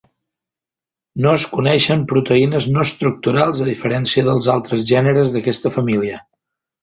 No es coneixen proteïnes no estructurals a diferència dels altres gèneres d'aquesta família.